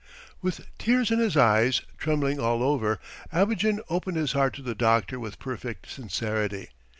..." With tears in his eyes, trembling all over, Abogin opened his heart to the doctor with perfect sincerity.